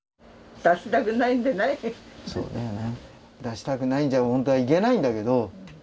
そうだよね。